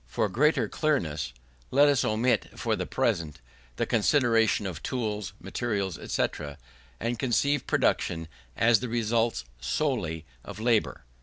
For greater clearness, let us omit, for the present, the consideration of tools, materials, &c, and conceive production as the result solely of labour.